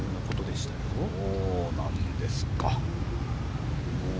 そうなんですか。